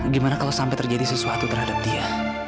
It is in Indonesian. gimana kalau sampai terjadi sesuatu terhadap dia